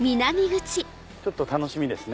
ちょっと楽しみですね。